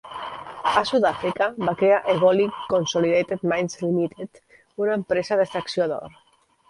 A Sud-àfrica, va crear Egoli Consolidated Mines Limited, una empresa d'extracció d'or.